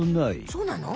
そうなの？